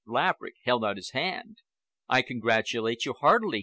Laverick held out his hand. "I congratulate you heartily!"